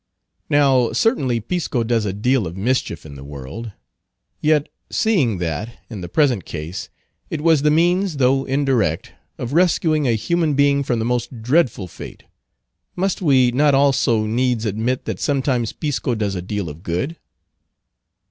Now, certainly, pisco does a deal of mischief in the world; yet seeing that, in the present case, it was the means, though indirect, of rescuing a human being from the most dreadful fate, must we not also needs admit that sometimes pisco does a deal of good?